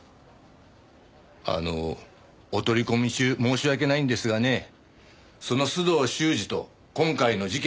あのお取り込み中申し訳ないんですがねその須藤修史と今回の事件